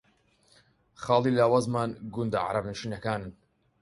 خاڵی لاوازمان گوندە عەرەبنشینەکانن